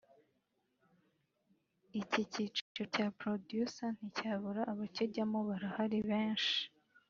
icyiciro cya producer nticyabura abakijyamo barahari benshi